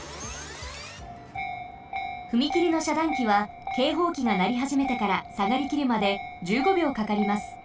ふみきりのしゃだんきはけいほうきがなりはじめてからさがりきるまで１５秒かかります。